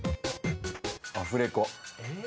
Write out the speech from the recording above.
アフレコ。